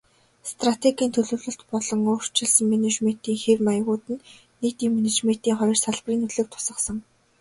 Стратегийн төлөвлөлт болон өөрчилсөн менежментийн хэв маягууд нь нийтийн менежментийн хоёр салбарын нөлөөг тусгасан.